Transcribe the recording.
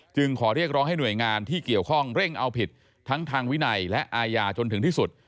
ขอเรียกร้องให้หน่วยงานที่เกี่ยวข้องเร่งเอาผิดทั้งทางวินัยและอาญาจนถึงที่สุด